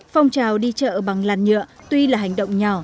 phong trào đi chợ bằng làn nhựa tuy là hành động nhỏ